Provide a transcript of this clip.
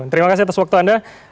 terima kasih atas waktu anda